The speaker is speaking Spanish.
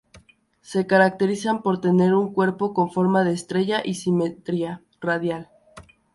Se caracterizan por tener un cuerpo con forma de estrella y simetría radial.